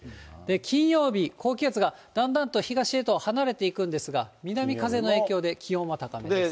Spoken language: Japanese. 金曜日、高気圧がだんだんと東へと離れていくんですが、南風の影響で、気温は高めですね。